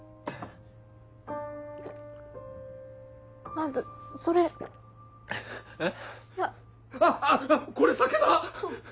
あっあっこれ酒だ！